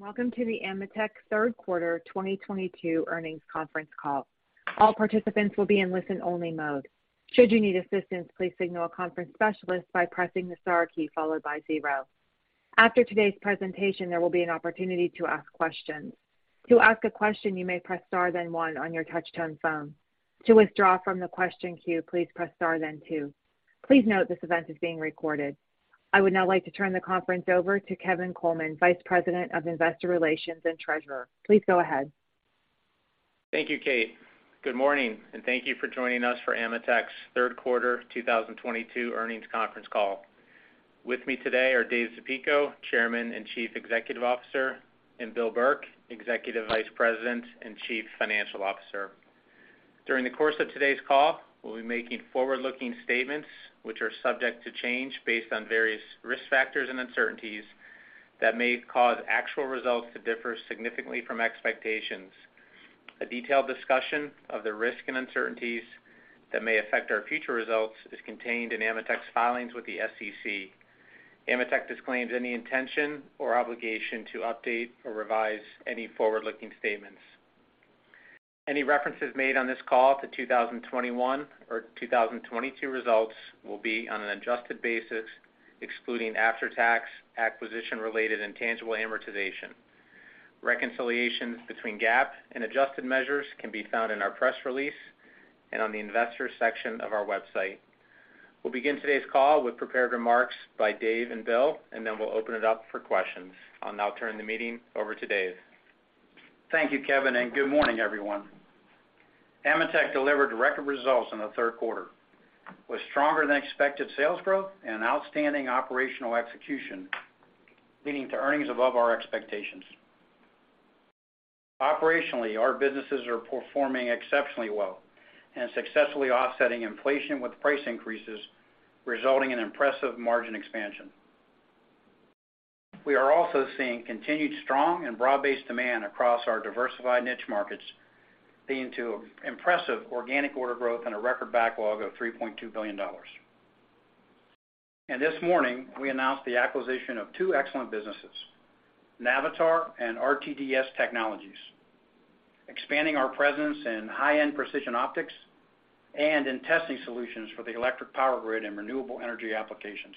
Welcome to the AMETEK Third Quarter 2022 Earnings Conference Call. All participants will be in listen-only mode. Should you need assistance, please signal a conference specialist by pressing the star key followed by zero. After today's presentation, there will be an opportunity to ask questions. To ask a question, you may press star then one on your touch-tone phone. To withdraw from the question queue, please press star then two. Please note this event is being recorded. I would now like to turn the conference over to Kevin Coleman, Vice President of Investor Relations and Treasurer. Please go ahead. Thank you, Kate. Good morning, and thank you for joining us for AMETEK's Third Quarter 2022 Earnings Conference Call. With me today are Dave Zapico, Chairman and Chief Executive Officer, and Bill Burke, Executive Vice President and Chief Financial Officer. During the course of today's call, we'll be making forward-looking statements which are subject to change based on various risk factors and uncertainties that may cause actual results to differ significantly from expectations. A detailed discussion of the risks and uncertainties that may affect our future results is contained in AMETEK's filings with the SEC. AMETEK disclaims any intention or obligation to update or revise any forward-looking statements. Any references made on this call to 2021 or 2022 results will be on an adjusted basis, excluding after-tax acquisition related and intangible amortization. Reconciliations between GAAP and adjusted measures can be found in our press release and on the investor section of our website. We'll begin today's call with prepared remarks by Dave and Bill, and then we'll open it up for questions. I'll now turn the meeting over to Dave. Thank you, Kevin, and good morning, everyone. AMETEK delivered record results in the third quarter, with stronger than expected sales growth and outstanding operational execution, leading to earnings above our expectations. Operationally, our businesses are performing exceptionally well and successfully offsetting inflation with price increases, resulting in impressive margin expansion. We are also seeing continued strong and broad-based demand across our diversified niche markets, leading to impressive organic order growth and a record backlog of $3.2 billion. This morning, we announced the acquisition of two excellent businesses, Navitar and RTDS Technologies, expanding our presence in high-end precision optics and in testing solutions for the electric power grid and renewable energy applications.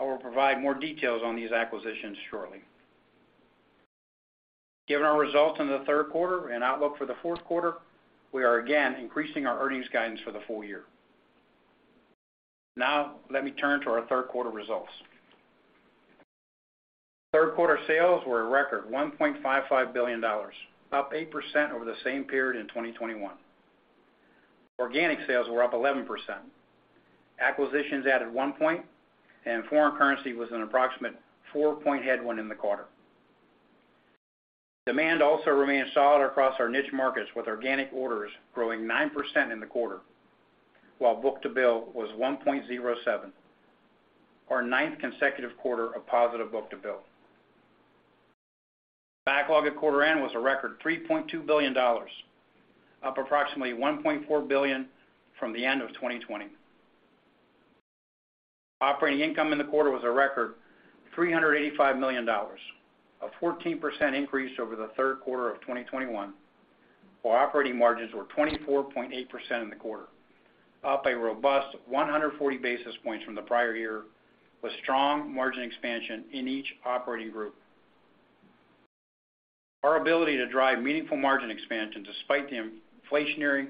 I will provide more details on these acquisitions shortly. Given our results in the third quarter and outlook for the fourth quarter, we are again increasing our earnings guidance for the full year. Now, let me turn to our third quarter results. Third quarter sales were a record $1.55 billion, up 8% over the same period in 2021. Organic sales were up 11%. Acquisitions added 1%, and foreign currency was an approximate 4% headwind in the quarter. Demand also remained solid across our niche markets, with organic orders growing 9% in the quarter, while book-to-bill was 1.07, our ninth consecutive quarter of positive book-to-bill. Backlog at quarter end was a record $3.2 billion, up approximately $1.4 billion from the end of 2020. Operating income in the quarter was a record $385 million, a 14% increase over the third quarter of 2021, while operating margins were 24.8% in the quarter, up a robust 140 basis points from the prior year, with strong margin expansion in each operating group. Our ability to drive meaningful margin expansion despite the inflationary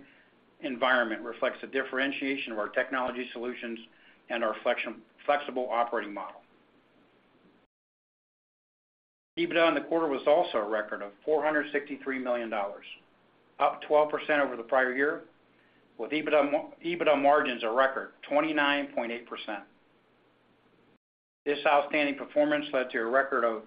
environment reflects the differentiation of our technology solutions and our flexible operating model. EBITDA in the quarter was also a record of $463 million, up 12% over the prior year, with EBITDA margin is a record 29.8%. This outstanding performance led to a record of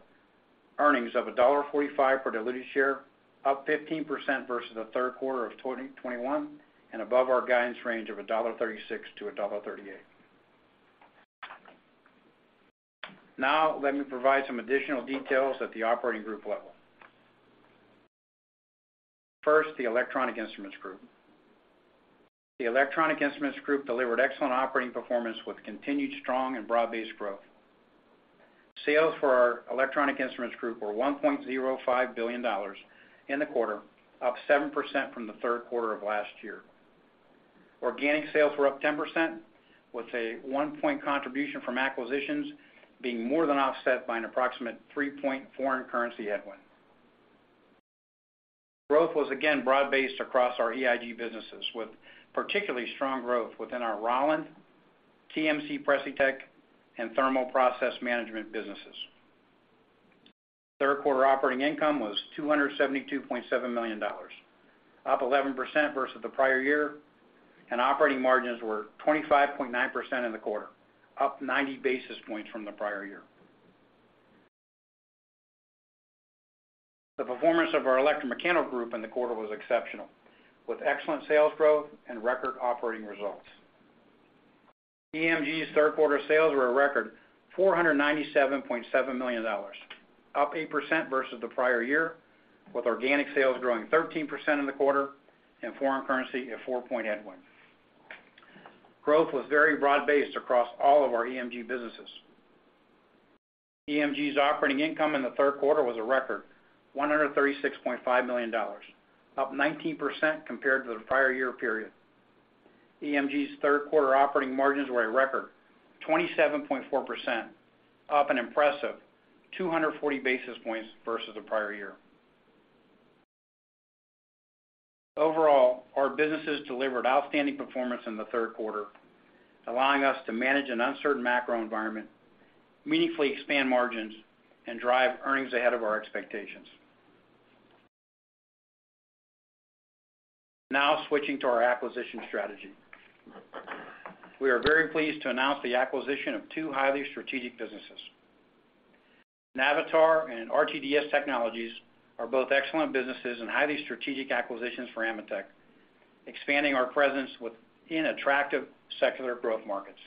earnings of $1.45 per diluted share, up 15% versus the third quarter of 2021, and above our guidance range of $1.36-$1.38. Now, let me provide some additional details at the operating group level. First, the Electronic Instruments Group. The Electronic Instruments Group delivered excellent operating performance with continued strong and broad-based growth. Sales for our Electronic Instruments Group were $1.05 billion in the quarter, up 7% from the third quarter of last year. Organic sales were up 10%, with a one-point contribution from acquisitions being more than offset by an approximate three-point foreign currency headwind. Growth was again broad-based across our EIG businesses, with particularly strong growth within our Rauland, TMC/Precitech, and Thermal Process Management businesses. Third quarter operating income was $272.7 million, up 11% versus the prior year, and operating margins were 25.9% in the quarter, up 90 basis points from the prior year. The performance of our Electromechanical Group in the quarter was exceptional, with excellent sales growth and record operating results. EMG's third quarter sales were a record $497.7 million, up 8% versus the prior year, with organic sales growing 13% in the quarter and foreign currency a four-point headwind. Growth was very broad-based across all of our EMG businesses. EMG's operating income in the third quarter was a record $136.5 million, up 19% compared to the prior year period. EMG's third quarter operating margins were a record 27.4%, up an impressive 240 basis points versus the prior year. Overall, our businesses delivered outstanding performance in the third quarter, allowing us to manage an uncertain macro environment, meaningfully expand margins, and drive earnings ahead of our expectations. Now switching to our acquisition strategy. We are very pleased to announce the acquisition of two highly strategic businesses. Navitar and RTDS Technologies are both excellent businesses and highly strategic acquisitions for AMETEK, expanding our presence within attractive secular growth markets.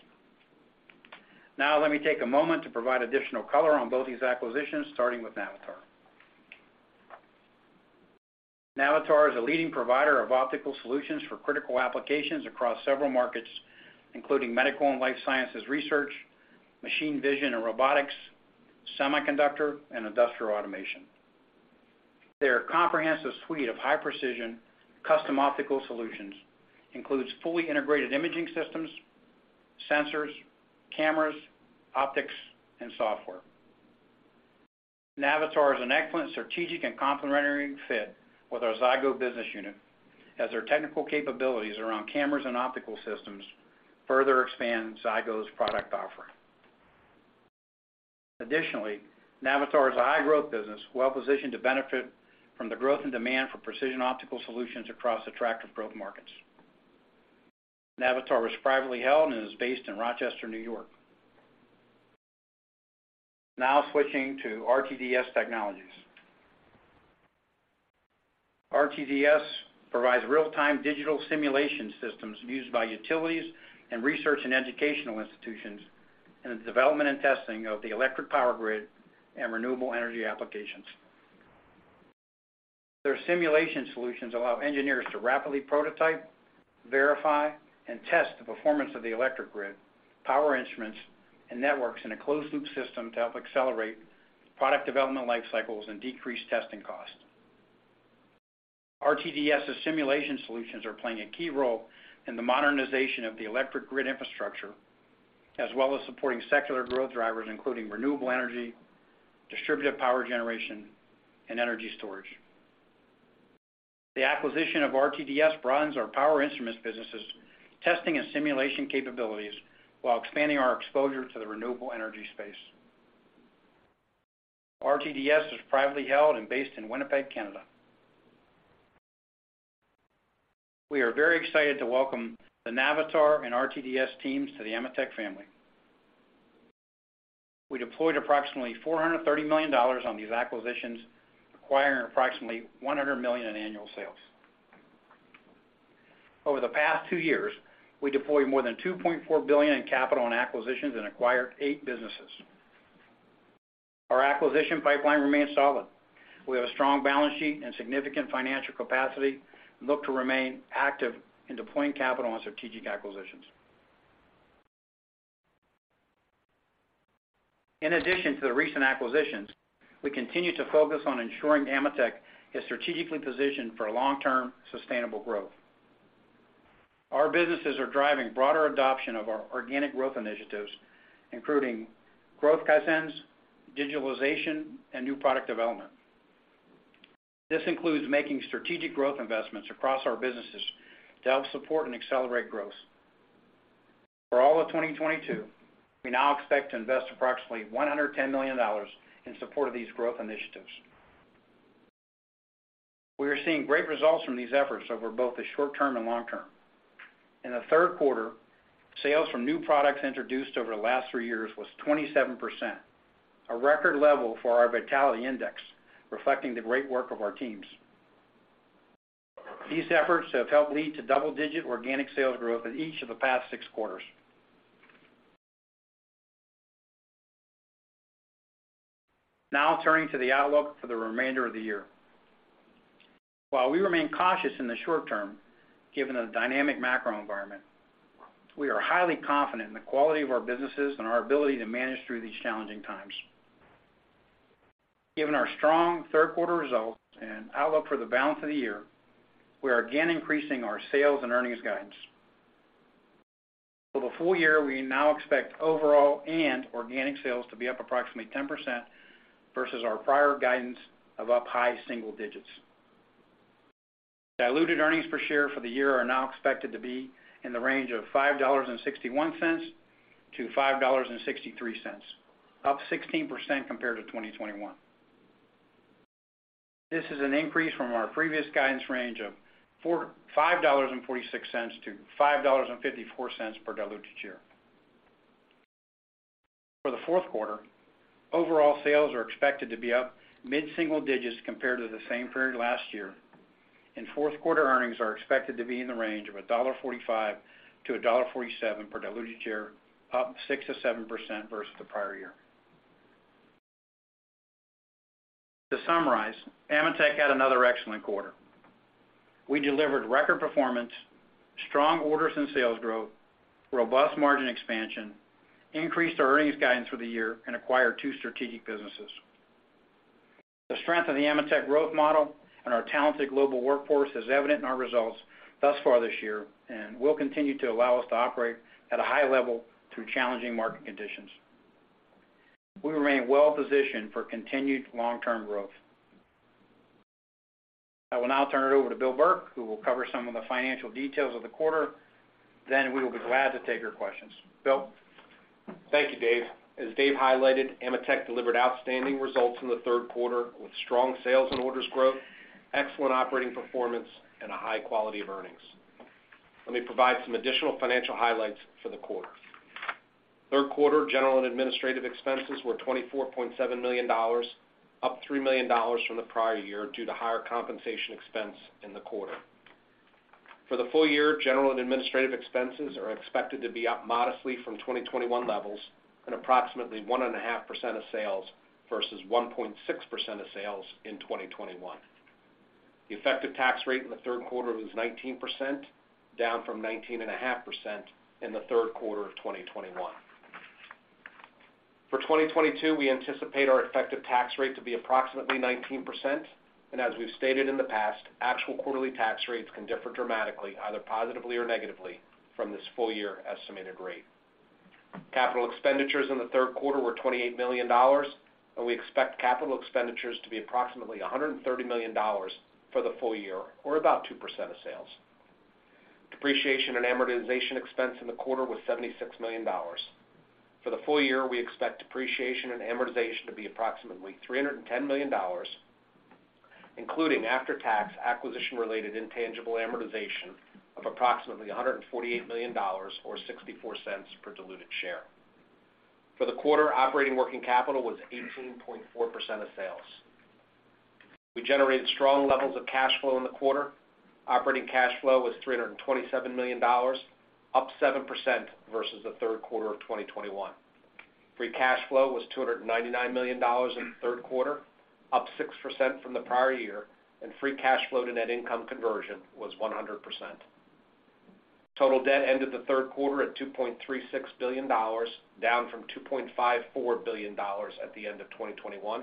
Now let me take a moment to provide additional color on both these acquisitions, starting with Navitar. Navitar is a leading provider of optical solutions for critical applications across several markets, including medical and life sciences research, machine vision and robotics, semiconductor, and industrial automation. Their comprehensive suite of high-precision custom optical solutions includes fully integrated imaging systems, sensors, cameras, optics, and software. Navitar is an excellent strategic and complementary fit with our Zygo business unit, as their technical capabilities around cameras and optical systems further expand Zygo's product offering. Additionally, Navitar is a high-growth business well positioned to benefit from the growth in demand for precision optical solutions across attractive growth markets. Navitar was privately held and is based in Rochester, New York. Now switching to RTDS Technologies. RTDS provides real-time digital simulation systems used by utilities and research and educational institutions in the development and testing of the electric power grid and renewable energy applications. Their simulation solutions allow engineers to rapidly prototype, verify, and test the performance of the electric grid, power instruments, and networks in a closed-loop system to help accelerate product development life cycles and decrease testing costs. RTDS's simulation solutions are playing a key role in the modernization of the electric grid infrastructure, as well as supporting secular growth drivers, including renewable energy, distributed power generation, and energy storage. The acquisition of RTDS broadens our power instruments business' testing and simulation capabilities while expanding our exposure to the renewable energy space. RTDS is privately held and based in Winnipeg, Canada. We are very excited to welcome the Navitar and RTDS teams to the AMETEK family. We deployed approximately $430 million on these acquisitions, acquiring approximately $100 million in annual sales. Over the past two years, we deployed more than $2.4 billion in capital and acquisitions and acquired eight businesses. Our acquisition pipeline remains solid. We have a strong balance sheet and significant financial capacity and look to remain active in deploying capital on strategic acquisitions. In addition to the recent acquisitions, we continue to focus on ensuring AMETEK is strategically positioned for long-term sustainable growth. Our businesses are driving broader adoption of our organic growth initiatives, including growth kaizens, digitalization, and new product development. This includes making strategic growth investments across our businesses to help support and accelerate growth. For all of 2022, we now expect to invest approximately $110 million in support of these growth initiatives. We are seeing great results from these efforts over both the short term and long term. In the third quarter, sales from new products introduced over the last three years was 27%, a record level for our vitality index, reflecting the great work of our teams. These efforts have helped lead to double-digit organic sales growth in each of the past six quarters. Now turning to the outlook for the remainder of the year. While we remain cautious in the short term, given the dynamic macro environment, we are highly confident in the quality of our businesses and our ability to manage through these challenging times. Given our strong third quarter results and outlook for the balance of the year, we are again increasing our sales and earnings guidance. For the full year, we now expect overall and organic sales to be up approximately 10% versus our prior guidance of up high single digits. Diluted earnings per share for the year are now expected to be in the range of $5.61-$5.63, up 16% compared to 2021. This is an increase from our previous guidance range of $5.46-$5.54 per diluted share. For the fourth quarter, overall sales are expected to be up mid-single digits compared to the same period last year, and fourth quarter earnings are expected to be in the range of $1.45-$1.47 per diluted share, up 6%-7% versus the prior year. To summarize, AMETEK had another excellent quarter. We delivered record performance, strong orders and sales growth, robust margin expansion, increased our earnings guidance for the year, and acquired two strategic businesses. The strength of the AMETEK growth model and our talented global workforce is evident in our results thus far this year and will continue to allow us to operate at a high level through challenging market conditions. We remain well-positioned for continued long-term growth. I will now turn it over to Bill Burke, who will cover some of the financial details of the quarter. We will be glad to take your questions. Bill? Thank you, Dave. As Dave highlighted, AMETEK delivered outstanding results in the third quarter, with strong sales and orders growth, excellent operating performance, and a high quality of earnings. Let me provide some additional financial highlights for the quarter. Third quarter general and administrative expenses were $24.7 million, up $3 million from the prior year due to higher compensation expense in the quarter. For the full year, general and administrative expenses are expected to be up modestly from 2021 levels and approximately 1.5% of sales versus 1.6% of sales in 2021. The effective tax rate in the third quarter was 19%, down from 19.5% in the third quarter of 2021. For 2022, we anticipate our effective tax rate to be approximately 19%. As we've stated in the past, actual quarterly tax rates can differ dramatically, either positively or negatively from this full year estimated rate. Capital expenditures in the third quarter were $28 million, and we expect capital expenditures to be approximately $130 million for the full year, or about 2% of sales. Depreciation and amortization expense in the quarter was $76 million. For the full year, we expect depreciation and amortization to be approximately $310 million, including after-tax acquisition-related intangible amortization of approximately $148 million or $0.64 per diluted share. For the quarter, operating working capital was 18.4% of sales. We generated strong levels of cash flow in the quarter. Operating cash flow was $327 million, up 7% versus the third quarter of 2021. Free cash flow was $299 million in the third quarter, up 6% from the prior year, and free cash flow to net income conversion was 100%. Total debt ended the third quarter at $2.36 billion, down from $2.54 billion at the end of 2021.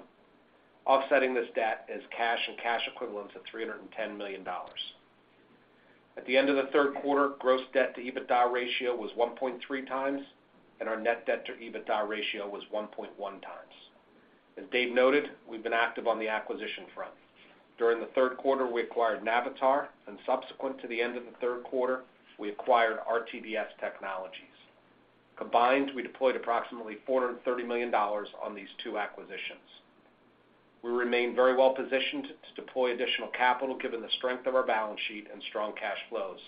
Offsetting this debt is cash and cash equivalents of $310 million. At the end of the third quarter, gross debt-to-EBITDA ratio was 1.3x, and our net debt to EBITDA ratio was 1.1x. As Dave noted, we've been active on the acquisition front. During the third quarter, we acquired Navitar, and subsequent to the end of the third quarter, we acquired RTDS Technologies. Combined, we deployed approximately $430 million on these two acquisitions. We remain very well-positioned to deploy additional capital given the strength of our balance sheet and strong cash flows.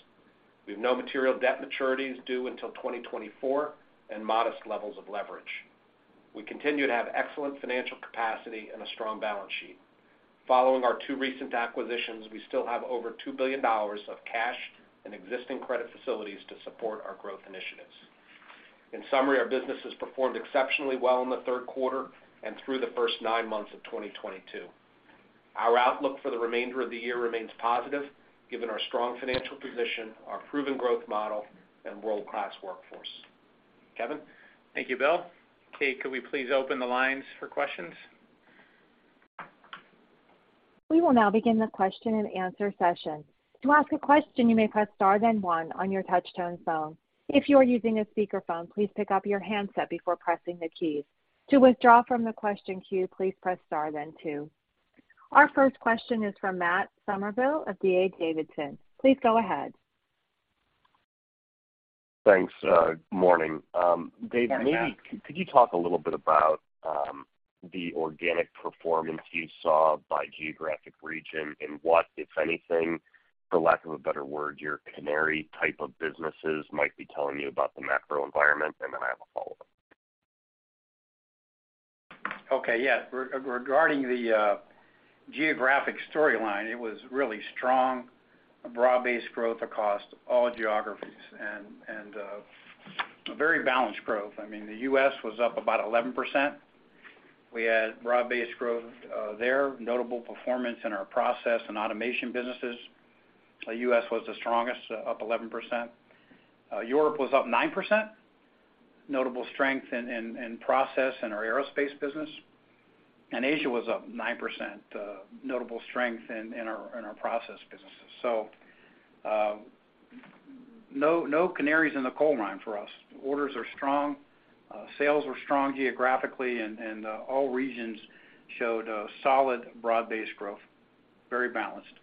We have no material debt maturities due until 2024 and modest levels of leverage. We continue to have excellent financial capacity and a strong balance sheet. Following our two recent acquisitions, we still have over $2 billion of cash and existing credit facilities to support our growth initiatives. In summary, our business has performed exceptionally well in the third quarter and through the first nine months of 2022. Our outlook for the remainder of the year remains positive given our strong financial position, our proven growth model, and world-class workforce. Kevin? Thank you, Bill. Operator, could we please open the lines for questions? We will now begin the question-and-answer session. To ask a question, you may press star then one on your touch-tone phone. If you are using a speakerphone, please pick up your handset before pressing the keys. To withdraw from the question queue, please press star then two. Our first question is from Matt Summerville of D.A. Davidson. Please go ahead. Thanks, morning. Dave. Morning, Matt. Maybe could you talk a little bit about the organic performance you saw by geographic region and what, if anything, for lack of a better word, your canary type of businesses might be telling you about the macro environment, and then I have a follow-up. Okay, yeah. Regarding the geographic storyline, it was really strong, broad-based growth across all geographies and a very balanced growth. I mean, the U.S. was up about 11%. We had broad-based growth there. Notable performance in our process and automation businesses. The U.S. was the strongest, up 11%. Europe was up 9%. Notable strength in process in our aerospace business. Asia was up 9%. Notable strength in our process businesses. No canaries in the coal mine for us. Orders are strong, sales are strong geographically and all regions showed a solid broad-based growth, very balanced.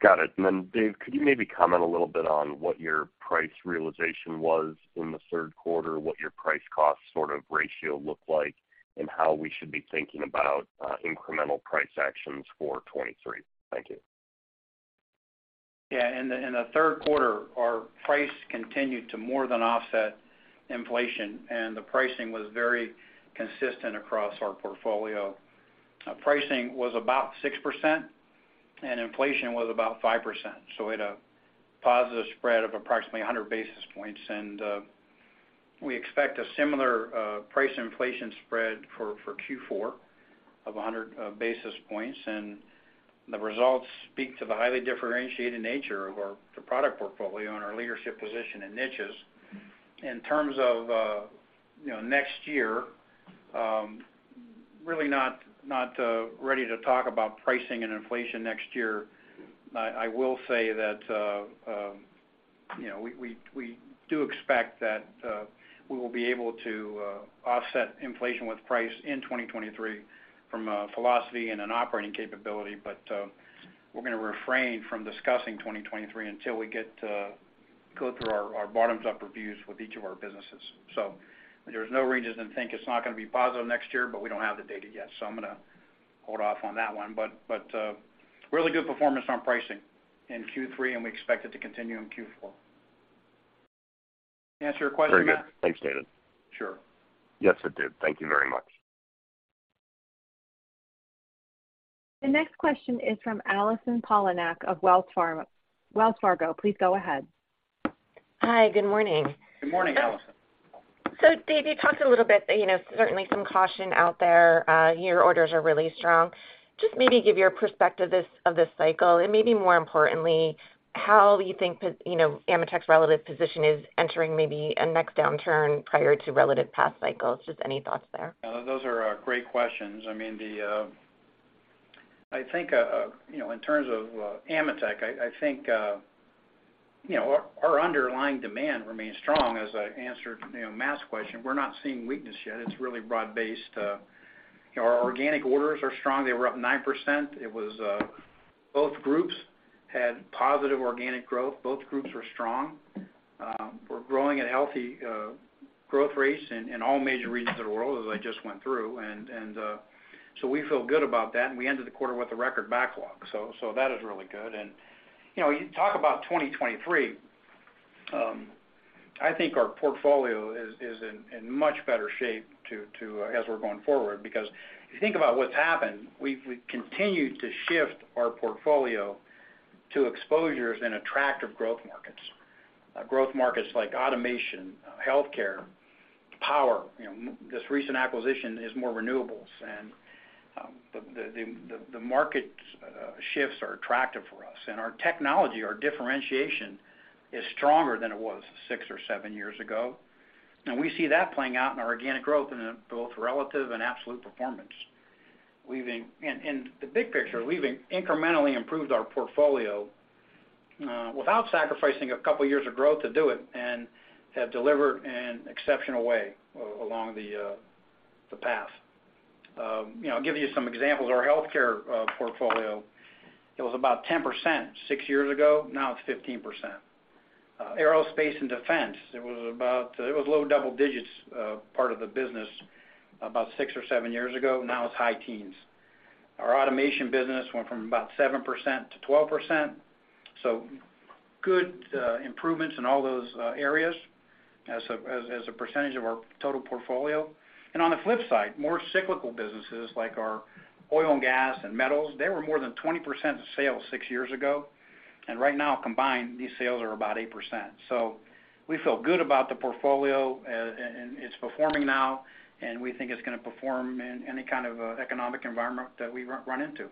Got it. Dave, could you maybe comment a little bit on what your price realization was in the third quarter, what your price cost sort of ratio looked like, and how we should be thinking about incremental price actions for 2023? Thank you. Yeah. In the third quarter, our price continued to more than offset inflation, and the pricing was very consistent across our portfolio. Pricing was about 6% and inflation was about 5%. So we had a positive spread of approximately 100 basis points. We expect a similar price inflation spread for Q4 of 100 basis points. The results speak to the highly differentiated nature of our product portfolio and our leadership position in niches. In terms of you know next year, really not ready to talk about pricing and inflation next year. I will say that you know we do expect that we will be able to offset inflation with price in 2023 from a philosophy and an operating capability. We're gonna refrain from discussing 2023 until we get to go through our bottoms-up reviews with each of our businesses. There's no reason to think it's not gonna be positive next year, but we don't have the data yet. I'm gonna hold off on that one. Really good performance on pricing in Q3, and we expect it to continue in Q4. Answer your question, Matt? Very good. Thanks, David. Sure. Yes, it did. Thank you very much. The next question is from Allison Poliniak of Wells Fargo. Please go ahead. Hi. Good morning. Good morning, Allison. Dave, you talked a little bit, you know, certainly some caution out there. Your orders are really strong. Just maybe give your perspective of this cycle. Maybe more importantly, how you think, you know, AMETEK's relative position is entering maybe a next downturn prior to relative past cycles. Just any thoughts there? Those are great questions. I mean, I think you know, in terms of AMETEK, I think you know, our underlying demand remains strong. As I answered you know, Matt's question, we're not seeing weakness yet. It's really broad-based. Our organic orders are strong. They were up 9%. It was both groups had positive organic growth. Both groups were strong. We're growing at healthy growth rates in all major regions of the world, as I just went through. So we feel good about that. We ended the quarter with a record backlog. That is really good. You know, you talk about 2023, I think our portfolio is in much better shape to as we're going forward. Because if you think about what's happened, we've continued to shift our portfolio to exposures in attractive growth markets. Growth markets like automation, healthcare, power. You know, this recent acquisition is more renewables. The market shifts are attractive for us. Our technology, our differentiation is stronger than it was six or seven years ago. We see that playing out in our organic growth in both relative and absolute performance. In the big picture, we've incrementally improved our portfolio without sacrificing a couple years of growth to do it, and have delivered in exceptional way along the path. You know, I'll give you some examples. Our healthcare portfolio, it was about 10% six years ago, now it's 15%. Aerospace and defense, it was low double digits, part of the business about six or seven years ago, now it's high teens. Our automation business went from about 7% to 12%. Good improvements in all those areas as a percentage of our total portfolio. On the flip side, more cyclical businesses like our oil and gas and metals, they were more than 20% of sales six years ago. Right now, combined, these sales are about 8%. We feel good about the portfolio, and it's performing now. We think it's gonna perform in any kind of economic environment that we run into.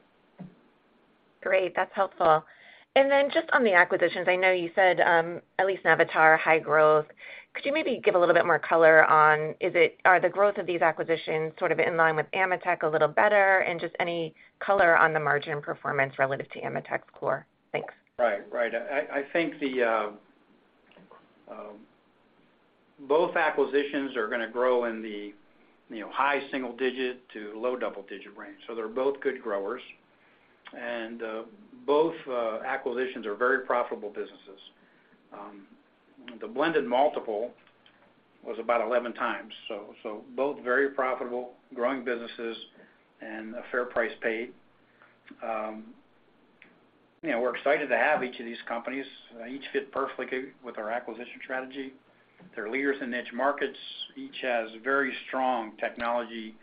Great. That's helpful. Just on the acquisitions, I know you said at least Navitar high growth. Could you maybe give a little bit more color on are the growth of these acquisitions sort of in line with AMETEK a little better? Just any color on the margin performance relative to AMETEK's core. Thanks. Right. I think both acquisitions are gonna grow in the, you know, high single digit to low double digit range. They're both good growers. Both acquisitions are very profitable businesses. The blended multiple was about 11x. Both very profitable growing businesses and a fair price paid. You know, we're excited to have each of these companies. Each fit perfectly with our acquisition strategy. They're leaders in niche markets. Each has very strong technology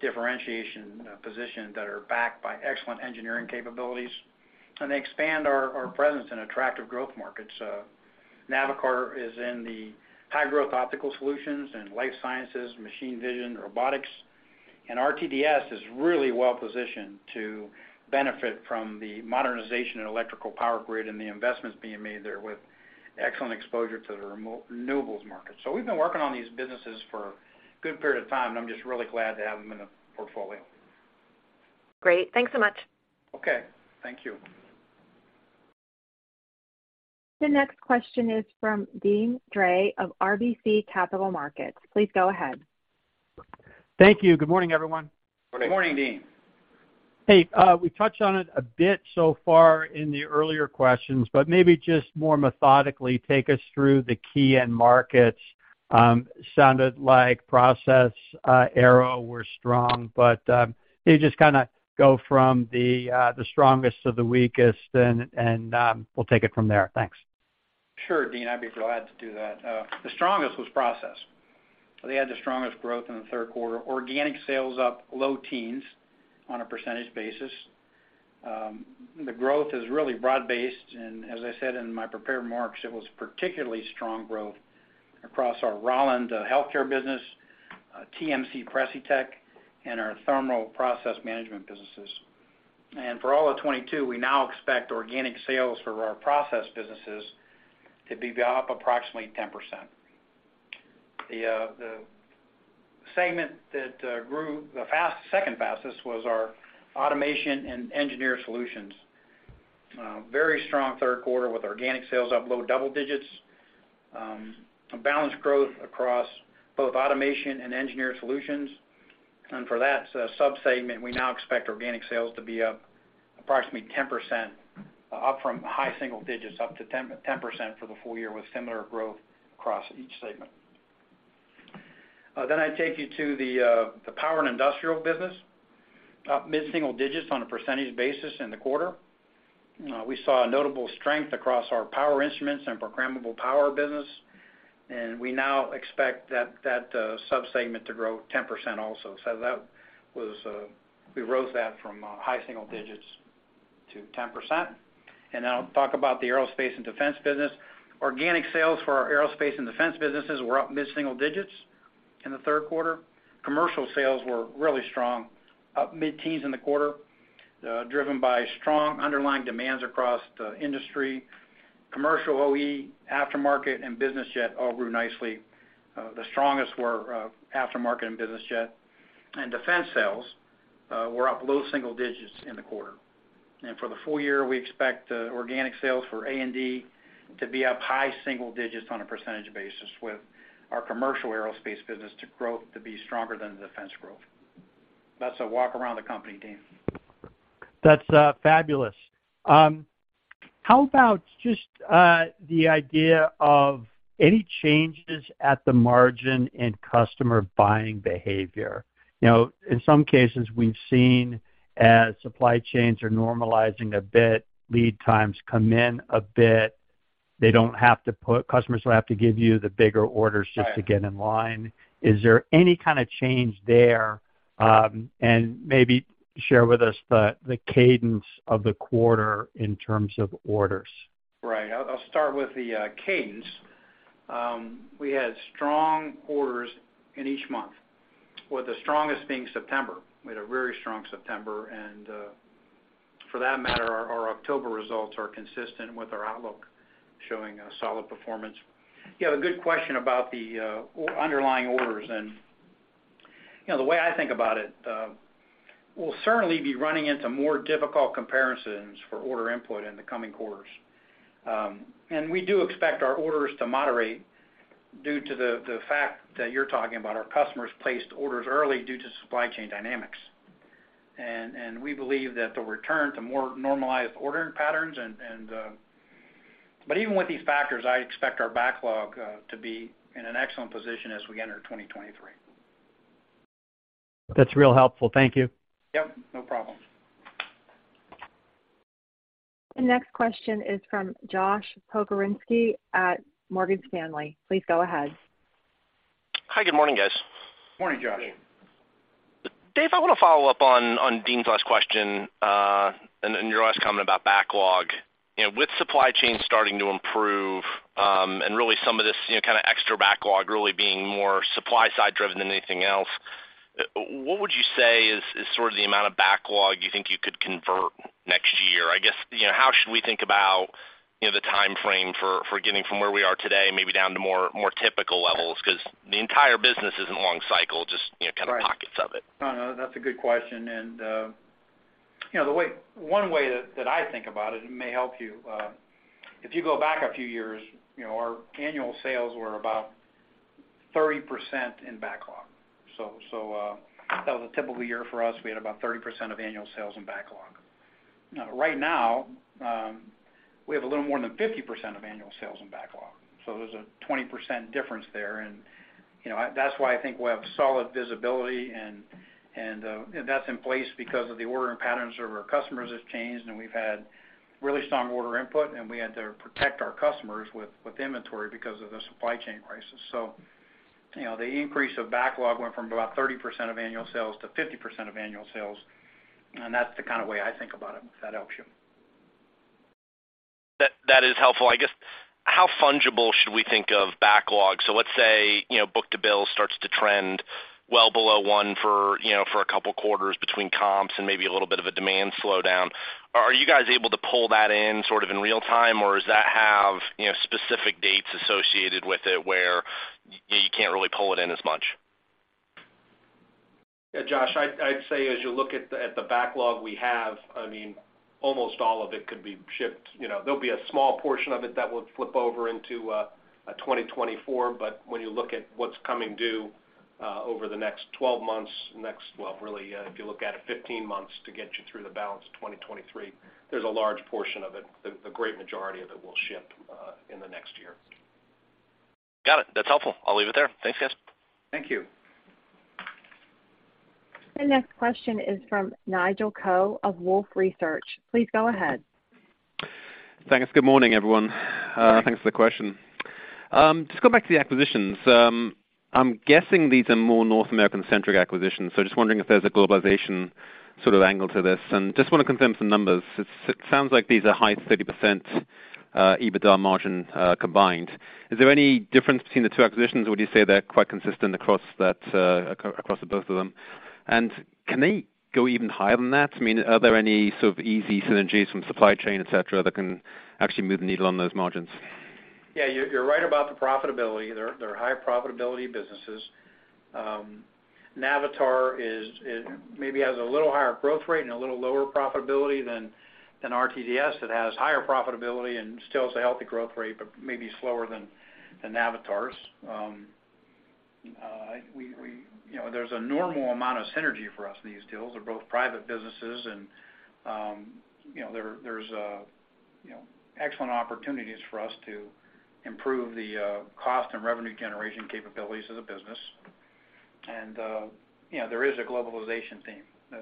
differentiation, position that are backed by excellent engineering capabilities. They expand our presence in attractive growth markets. Navitar is in the high growth optical solutions and life sciences, machine vision, robotics. RTDS is really well positioned to benefit from the modernization in electrical power grid and the investments being made there with excellent exposure to the remote renewables market. We've been working on these businesses for a good period of time, and I'm just really glad to have them in the portfolio. Great. Thanks so much. Okay. Thank you. The next question is from Deane Dray of RBC Capital Markets. Please go ahead. Thank you. Good morning, everyone. Good morning, Deane. Hey, we touched on it a bit so far in the earlier questions, but maybe just more methodically take us through the key end markets. Sounded like process, aero were strong. Can you just kinda go from the strongest to the weakest, and we'll take it from there. Thanks. Sure, Dean, I'd be glad to do that. The strongest was process. They had the strongest growth in the third quarter. Organic sales up low teens on a percentage basis. The growth is really broad-based, and as I said in my prepared remarks, it was particularly strong growth across our Rauland Healthcare business, TMC/Precitech, and our Thermal Process Management businesses. For all of 2022, we now expect organic sales for our process businesses to be up approximately 10%. The segment that grew second fastest was our automation and engineered solutions. Very strong third quarter with organic sales up low double digits. A balanced growth across both automation and engineered solutions. For that sub-segment, we now expect organic sales to be up approximately 10%, up from high single digits, up to 10% for the full year, with similar growth across each segment. Then I take you to the power and industrial business. Up mid-single digits on a percentage basis in the quarter. We saw a notable strength across our power instruments and programmable power business. We now expect that sub-segment to grow 10% also. We raised that from high single digits to 10%. Then I'll talk about the aerospace and defense business. Organic sales for our aerospace and defense businesses were up mid-single digits in the third quarter. Commercial sales were really strong, up mid-teens in the quarter, driven by strong underlying demand across the industry. Commercial OE, aftermarket, and business jet all grew nicely. The strongest were aftermarket and business jet. Defense sales were up low single digits in the quarter. For the full year, we expect organic sales for A&D to be up high single digits on a percentage basis with our commercial aerospace business to grow to be stronger than the defense growth. That's a walk around the company, Dean. That's fabulous. How about just the idea of any changes at the margin in customer buying behavior? You know, in some cases we've seen as supply chains are normalizing a bit, lead times come in a bit. They don't have to give you the bigger orders just to get in line. Is there any kind of change there? Maybe share with us the cadence of the quarter in terms of orders. Right. I'll start with the cadence. We had strong orders in each month, with the strongest being September. We had a very strong September. For that matter, our October results are consistent with our outlook, showing a solid performance. You have a good question about the underlying orders. You know, the way I think about it, we'll certainly be running into more difficult comparisons for order input in the coming quarters. We do expect our orders to moderate due to the fact that our customers placed orders early due to supply chain dynamics. We believe that the return to more normalized ordering patterns. But even with these factors, I expect our backlog to be in an excellent position as we enter 2023. That's real helpful. Thank you. Yep, no problem. The next question is from Josh Pokrzywinski at Morgan Stanley. Please go ahead. Hi. Good morning, guys. Morning, Josh. Morning. Dave, I want to follow up on Deane last question and then your last comment about backlog. You know, with supply chain starting to improve and really some of this, you know, kind of extra backlog really being more supply side driven than anything else, what would you say is sort of the amount of backlog you think you could convert next year? I guess, you know, how should we think about, you know, the timeframe for getting from where we are today, maybe down to more typical levels? 'Cause the entire business isn't long cycle, just, you know, kind of pockets of it. No, no, that's a good question. You know, one way that I think about it may help you. If you go back a few years, you know, our annual sales were about 30% in backlog. That was a typical year for us. We had about 30% of annual sales in backlog. Right now, we have a little more than 50% of annual sales in backlog. There's a 20% difference there. You know, that's why I think we have solid visibility and that's in place because of the ordering patterns of our customers has changed, and we've had really strong order input, and we had to protect our customers with inventory because of the supply chain crisis. You know, the increase of backlog went from about 30% of annual sales to 50% of annual sales. That's the kind of way I think about it, if that helps you. That is helpful. I guess, how fungible should we think of backlog? Let's say, you know, book-to-bill starts to trend well below one for, you know, for a couple quarters between comps and maybe a little bit of a demand slowdown. Are you guys able to pull that in sort of in real time, or does that have, you know, specific dates associated with it where you can't really pull it in as much? Yeah, Josh, I'd say as you look at the backlog we have, I mean, almost all of it could be shipped. You know, there'll be a small portion of it that will flip over into 2024, but when you look at what's coming due over the next 12 months, well, really, if you look at it, 15 months to get you through the balance of 2023, there's a large portion of it, the great majority of it will ship in the next year. Got it. That's helpful. I'll leave it there. Thanks, guys. Thank you. The next question is from Nigel Coe of Wolfe Research. Please go ahead. Thanks. Good morning, everyone. Thanks for the question. Just going back to the acquisitions. I'm guessing these are more North American-centric acquisitions, so just wondering if there's a globalization sort of angle to this. Just wanna confirm some numbers. It sounds like these are high 30% EBITDA margin, combined. Is there any difference between the two acquisitions, or would you say they're quite consistent across that, across the both of them? Can they go even higher than that? I mean, are there any sort of easy synergies from supply chain, et cetera, that can actually move the needle on those margins? Yeah, you're right about the profitability. They're high profitability businesses. Navitar is maybe has a little higher growth rate and a little lower profitability than RTDS. It has higher profitability and still has a healthy growth rate, but maybe slower than Navitar's. We, you know, there's a normal amount of synergy for us in these deals. They're both private businesses and, you know, there's, you know, excellent opportunities for us to improve the cost and revenue generation capabilities of the business. You know, there is a globalization theme. The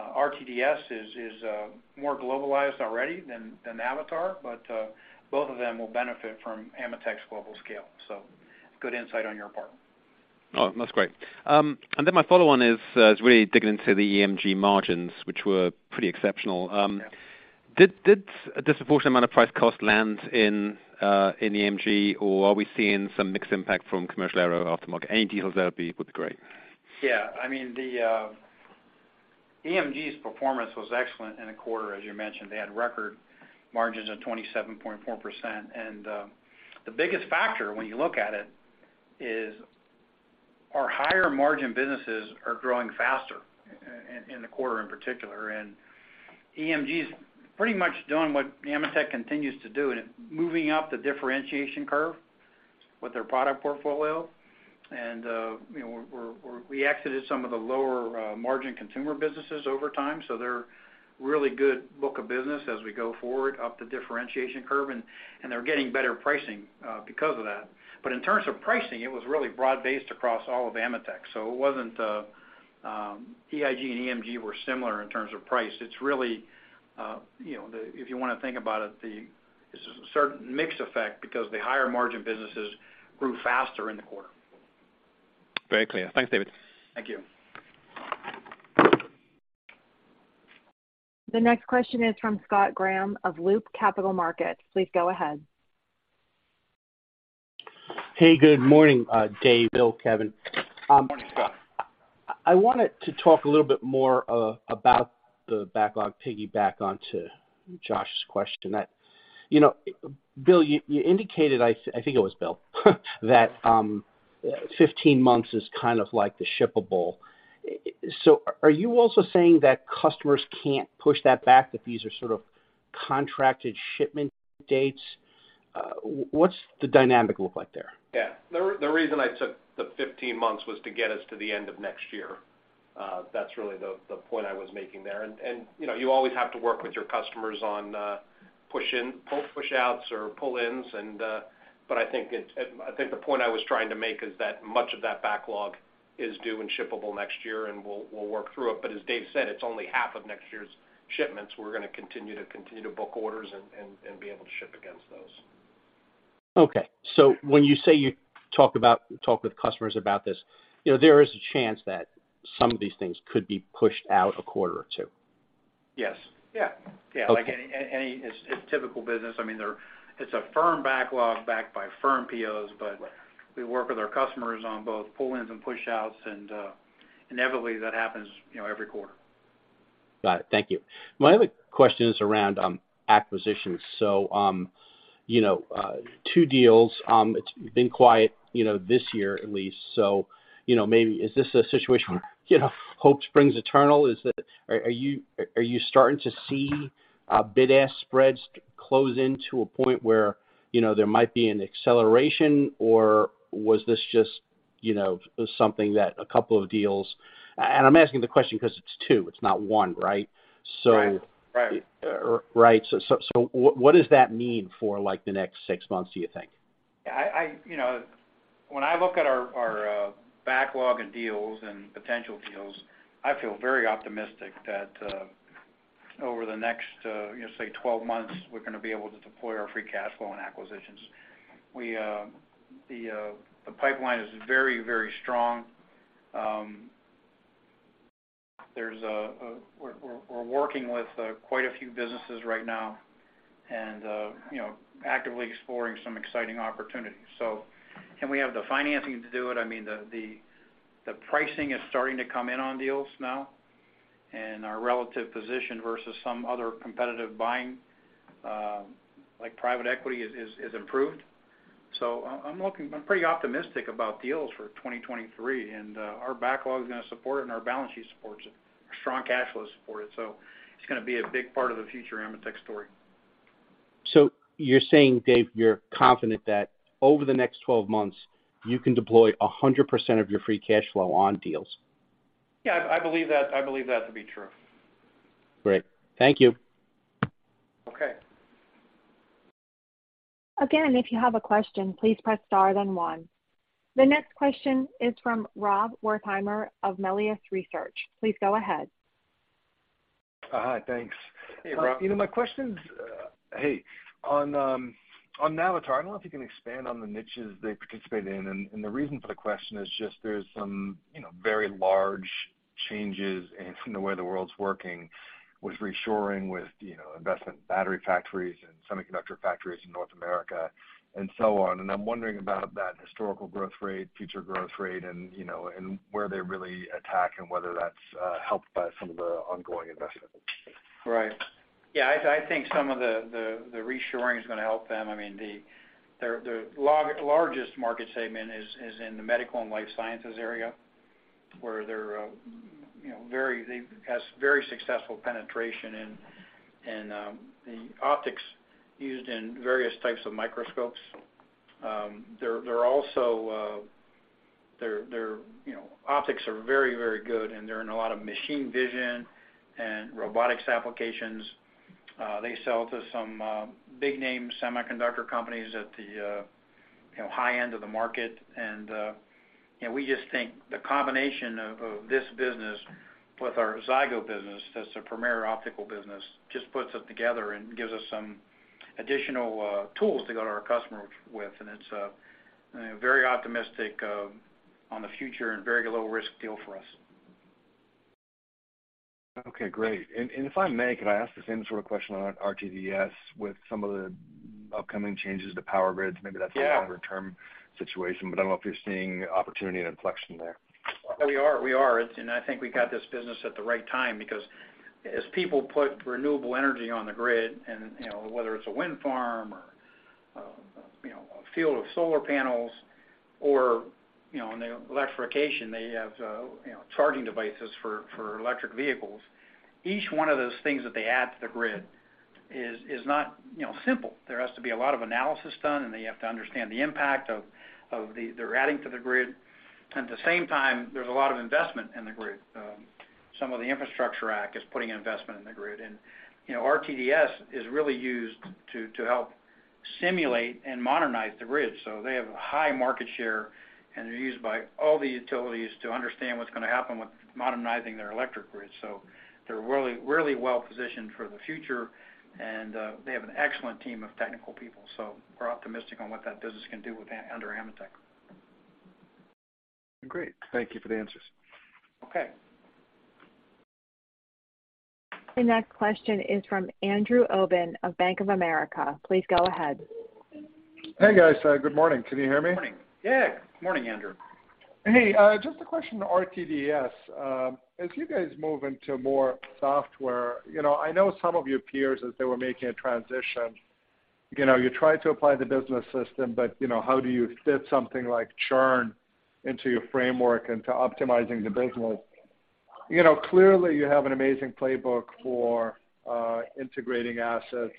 RTDS is more globalized already than Navitar, but both of them will benefit from AMETEK's global scale. Good insight on your part. Oh, that's great. My follow on is really digging into the EMG margins, which were pretty exceptional. Yeah. Did a disproportionate amount of price cost land in EMG or are we seeing some mixed impact from commercial aerospace aftermarket? Any details there would be great. Yeah. I mean, the EMG's performance was excellent in a quarter. As you mentioned, they had record margins of 27.4%. The biggest factor when you look at it is our higher margin businesses are growing faster in the quarter in particular. EMG's pretty much doing what AMETEK continues to do, moving up the differentiation curve with their product portfolio. You know, we exited some of the lower margin consumer businesses over time, so they're really good book of business as we go forward up the differentiation curve, and they're getting better pricing because of that. In terms of pricing, it was really broad-based across all of AMETEK. It wasn't, EIG and EMG were similar in terms of price. It's really, you know, if you wanna think about it, this is a certain mix effect because the higher margin businesses grew faster in the quarter. Very clear. Thanks, David. Thank you. The next question is from Scott Graham of Loop Capital Markets. Please go ahead. Hey, good morning, Dave, Bill, Kevin. Good morning, Scott. I wanted to talk a little bit more about the backlog, piggyback onto Josh's question. That, you know, Bill, you indicated, I think it was Bill, that, 15 months is kind of like the shippable. Are you also saying that customers can't push that back, that these are sort of contracted shipment dates? What's the dynamic look like there? Yeah. The reason I took the 15 months was to get us to the end of next year. That's really the point I was making there. You know, you always have to work with your customers on push outs or pull-ins. I think the point I was trying to make is that much of that backlog is due and shippable next year, and we'll work through it. As Dave said, it's only half of next year's shipments. We're gonna continue to book orders and be able to ship against those. Okay. When you say you talk with customers about this, you know, there is a chance that some of these things could be pushed out a quarter or two. Yes. Yeah. Okay. Yeah. Like any, it's typical business. I mean, there, it's a firm backlog backed by firm POs, but we work with our customers on both pull-ins and push outs, and inevitably, that happens, you know, every quarter. Got it. Thank you. My other question is around acquisitions. You know, two deals. It's been quiet, you know, this year at least. You know, maybe is this a situation where, you know, hope springs eternal? Are you starting to see bid-ask spreads close in to a point where, you know, there might be an acceleration, or was this just, you know, something that a couple of deals? I'm asking the question 'cause it's two, it's not one, right? Right. Right. Right. What does that mean for, like, the next six months, do you think? Yeah. I you know, when I look at our backlog and deals and potential deals, I feel very optimistic that over the next you know, say 12 months, we're gonna be able to deploy our free cash flow and acquisitions. The pipeline is very, very strong. We're working with quite a few businesses right now and you know, actively exploring some exciting opportunities. Can we have the financing to do it? I mean, the pricing is starting to come in on deals now, and our relative position versus some other competitive buying like private equity is improved. I'm looking. I'm pretty optimistic about deals for 2023, and our backlog is gonna support it and our balance sheet supports it. Our strong cash flow is supported. It's gonna be a big part of the future AMETEK story. You're saying, Dave, you're confident that over the next 12 months, you can deploy 100% of your free cash flow on deals? Yeah, I believe that to be true. Great. Thank you. Again, if you have a question, please press star then one. The next question is from Rob Wertheimer of Melius Research. Please go ahead. Hi. Thanks. Hey, Rob. You know, my question's on Navitar. I don't know if you can expand on the niches they participate in. The reason for the question is just there's some, you know, very large changes in the way the world's working with reshoring, with, you know, investment in battery factories and semiconductor factories in North America and so on. I'm wondering about that historical growth rate, future growth rate and, you know, where they really attack and whether that's helped by some of the ongoing investment. Right. Yeah, I think some of the reshoring is gonna help them. I mean, their largest market segment is in the medical and life sciences area, where they've had very successful penetration in the optics used in various types of microscopes. They're also their optics are very good, and they're in a lot of machine vision and robotics applications. They sell to some big name semiconductor companies at the high end of the market. We just think the combination of this business with our Zygo business, that's a premier optical business, just puts it together and gives us some additional tools to go to our customers with. It's very optimistic on the future and very low risk deal for us. Okay, great. If I may, could I ask the same sort of question on RTDS with some of the upcoming changes to power grids? Maybe that's. Yeah. A longer term situation, but I don't know if you're seeing opportunity and inflection there. We are. It's. I think we got this business at the right time because as people put renewable energy on the grid, and you know whether it's a wind farm or you know a field of solar panels or you know in the electrification, they have you know charging devices for electric vehicles. Each one of those things that they add to the grid is not you know simple. There has to be a lot of analysis done, and they have to understand the impact of what they're adding to the grid. At the same time, there's a lot of investment in the grid. Some of the Infrastructure Act is putting investment in the grid. You know RTDS is really used to help simulate and modernize the grid. They have a high market share, and they're used by all the utilities to understand what's gonna happen with modernizing their electric grid. They're really, really well positioned for the future, and they have an excellent team of technical people. We're optimistic on what that business can do with under AMETEK. Great. Thank you for the answers. Okay. The next question is from Andrew Obin of Bank of America. Please go ahead. Hey, guys. Good morning. Can you hear me? Morning. Yeah. Morning, Andrew. Hey, just a question on RTDS. As you guys move into more software, you know, I know some of your peers as they were making a transition, you know, you try to apply the business system, but, you know, how do you fit something like churn into your framework into optimizing the business? You know, clearly you have an amazing playbook for integrating assets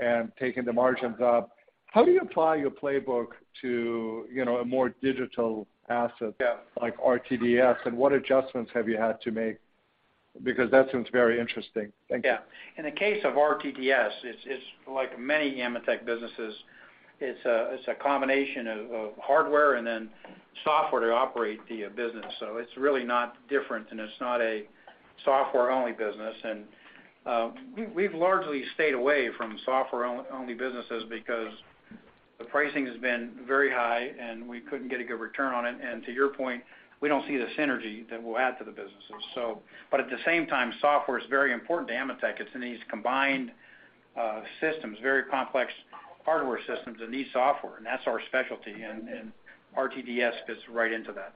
and taking the margins up. How do you apply your playbook to, you know, a more digital asset- Yeah.... like RTDS, and what adjustments have you had to make? Because that seems very interesting. Thank you. Yeah. In the case of RTDS, it's like many AMETEK businesses. It's a combination of hardware and then software to operate the business. It's really not different, and it's not a software-only business because the pricing has been very high, and we couldn't get a good return on it. To your point, we don't see the synergy that will add to the businesses. At the same time, software is very important to AMETEK. It's in these combined systems, very complex hardware systems and these software, and that's our specialty. RTDS fits right into that.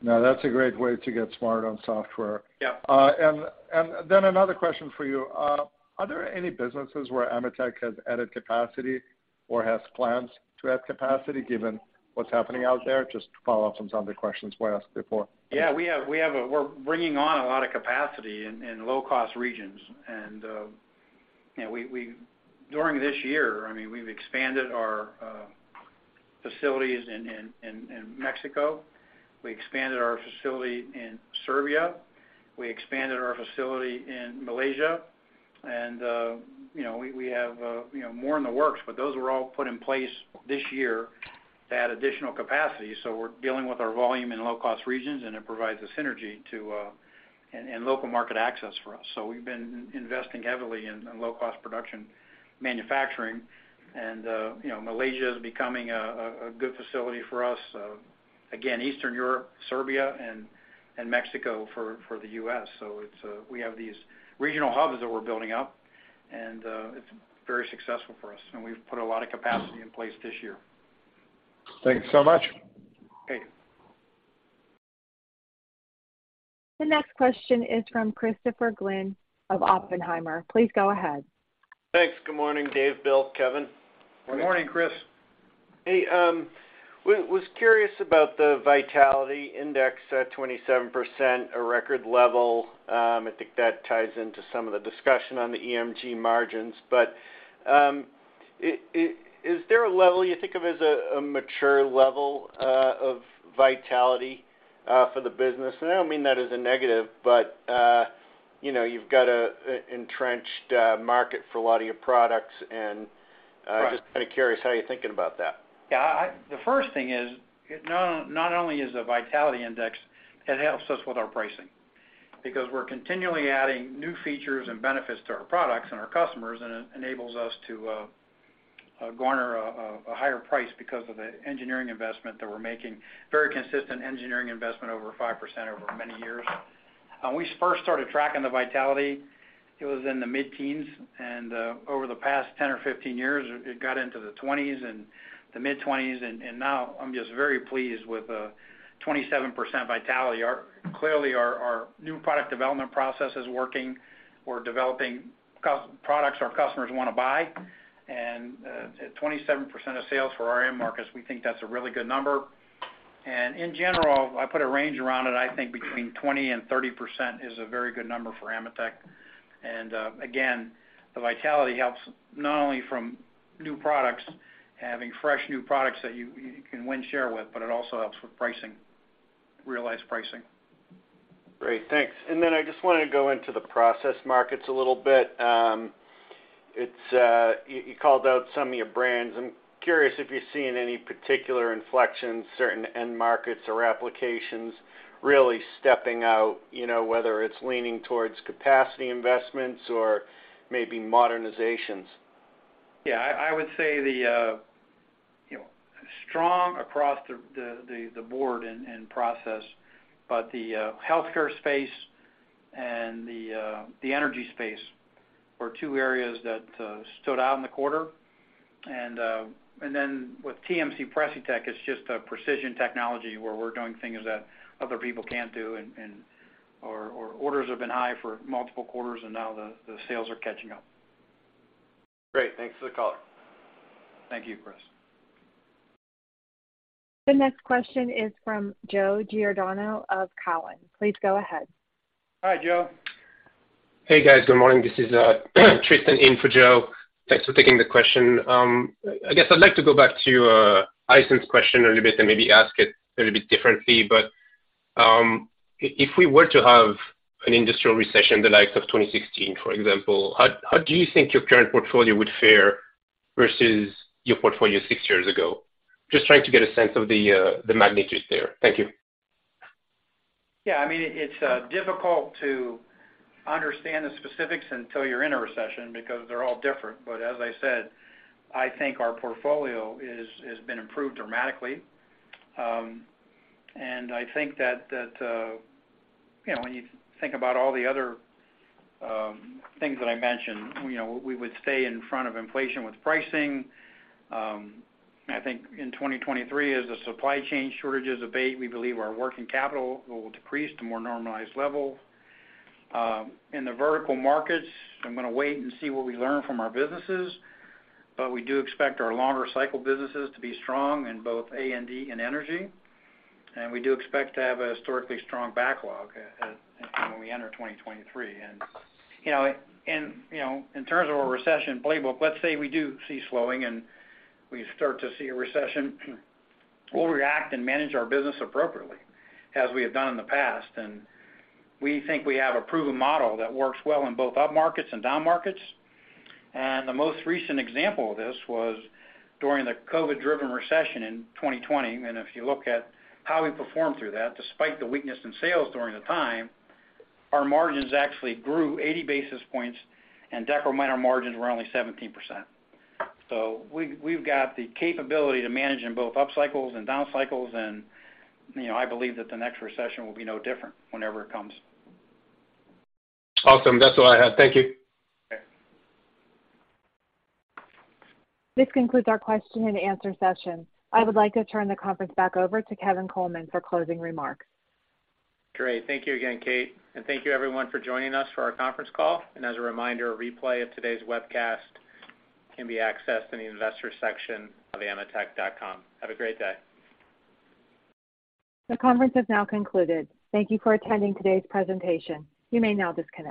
No, that's a great way to get smart on software. Yeah. Another question for you. Are there any businesses where AMETEK has added capacity or has plans to add capacity given what's happening out there? Just to follow up on some of the questions were asked before. We're bringing on a lot of capacity in low cost regions. During this year, I mean, we've expanded our facilities in Mexico. We expanded our facility in Serbia. We expanded our facility in Malaysia. We have more in the works, but those were all put in place this year to add additional capacity. We're dealing with our volume in low cost regions, and it provides a synergy and local market access for us. We've been investing heavily in low cost production manufacturing. Malaysia is becoming a good facility for us. Again, Eastern Europe, Serbia, and Mexico for the U.S. We have these regional hubs that we're building up, and it's very successful for us. We've put a lot of capacity in place this year. Thank you so much. Okay. The next question is from Christopher Glynn of Oppenheimer. Please go ahead. Thanks. Good morning, Dave, Bill, Kevin. Good morning. Good morning, Chris. Hey, was curious about the vitality index at 27%, a record level. I think that ties into some of the discussion on the EMG margins. Is there a level you think of as a mature level of vitality for the business? I don't mean that as a negative, but you know, you've got a entrenched market for a lot of your products, and- Right.... just kinda curious how you're thinking about that. Yeah. The first thing is, you know, not only is the vitality index, it helps us with our pricing because we're continually adding new features and benefits to our products and our customers, and it enables us to garner a higher price because of the engineering investment that we're making. Very consistent engineering investment over 5% over many years. We first started tracking the vitality, it was in the mid-teens, and over the past 10 or 15 years, it got into the 20s and the mid-20s. Now I'm just very pleased with 27% vitality. Clearly our new product development process is working. We're developing products our customers wanna buy. At 27% of sales for our end markets, we think that's a really good number. In general, I put a range around it. I think between 20% and 30% is a very good number for AMETEK. Again, the vitality helps not only from new products, having fresh new products that you can win share with, but it also helps with pricing, realized pricing. Great. Thanks. I just wanna go into the process markets a little bit. It's, you called out some of your brands. I'm curious if you're seeing any particular inflection, certain end markets or applications really stepping out, you know, whether it's leaning towards capacity investments or maybe modernizations. Yeah. I would say you know strong across the board in process, but the healthcare space and the energy space were two areas that stood out in the quarter. Then with TMC/Precitech, it's just a precision technology where we're doing things that other people can't do and orders have been high for multiple quarters, and now the sales are catching up. Great. Thanks for the call. Thank you, Chris. The next question is from Joseph Giordano of Cowen. Please go ahead. Hi, Joe. Hey, guys. Good morning. This is Tristan in for Joe. Thanks for taking the question. I guess I'd like to go back to Allison's question a little bit and maybe ask it a little bit differently. If we were to have an industrial recession, the likes of 2016, for example, how do you think your current portfolio would fare versus your portfolio six years ago? Just trying to get a sense of the magnitude there. Thank you. Yeah. I mean, it's difficult to understand the specifics until you're in a recession because they're all different. As I said, I think our portfolio has been improved dramatically. I think that you know, when you think about all the other things that I mentioned, you know, we would stay in front of inflation with pricing. I think in 2023, as the supply chain shortages abate, we believe our working capital will decrease to more normalized level. In the vertical markets, I'm gonna wait and see what we learn from our businesses, but we do expect our longer cycle businesses to be strong in both A&D and energy. We do expect to have a historically strong backlog as when we enter 2023. You know, in terms of a recession playbook, let's say we do see slowing and we start to see a recession, we'll react and manage our business appropriately as we have done in the past. We think we have a proven model that works well in both up markets and down markets. The most recent example of this was during the COVID-driven recession in 2020. If you look at how we performed through that, despite the weakness in sales during the time, our margins actually grew 80 basis points and adjusted operating margins were only 17%. So we've got the capability to manage in both up cycles and down cycles. You know, I believe that the next recession will be no different whenever it comes. Awesome. That's all I have. Thank you. Okay. This concludes our question-and-answer session. I would like to turn the conference back over to Kevin Coleman for closing remarks. Great. Thank you again, Operator. Thank you everyone for joining us for our conference call. As a reminder, a replay of today's webcast can be accessed in the investor section of ametek.com. Have a great day. The conference has now concluded. Thank you for attending today's presentation. You may now disconnect.